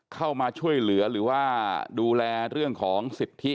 เข้ามาช่วยเหลือหรือว่าดูแลเรื่องของสิทธิ